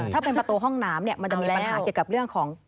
ถ้าเป็นประตูห้องน้ำเนี่ยมันจะมีปัญหาเกี่ยวกับเรื่องของ